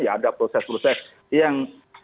ada proses proses yang